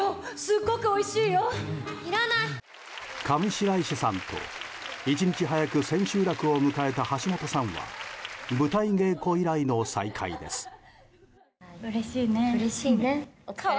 上白石さんと、１日早く千秋楽を迎えた橋本さんは舞台稽古以来の再会です。